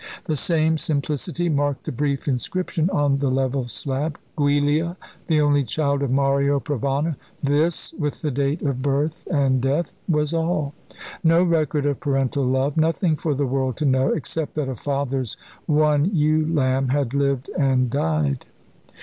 The same simplicity marked the brief inscription on the level slab. "Giulia, the only child of Mario Provana." This with the date of birth and death was all. No record of parental love, nothing for the world to know, except that a father's one ewe lamb had lived and died.